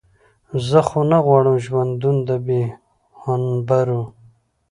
زه خو نه غواړم ژوندون د بې هنبرو.